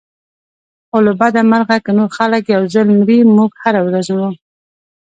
خو له بده مرغه که نور خلک یو ځل مري موږ هره ورځ مرو.